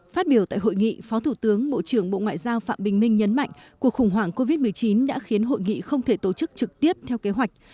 phát biểu tại hội nghị phó thủ tướng bộ trưởng bộ ngoại giao phạm bình minh nhấn mạnh cuộc khủng hoảng covid một mươi chín đã khiến hội nghị không thể tổ chức trực tiếp theo kế hoạch